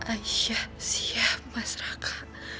aisyah siap mas raka